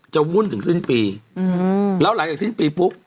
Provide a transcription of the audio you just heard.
วุ่นถึงสิ้นปีอืมแล้วหลังจากสิ้นปีปุ๊บ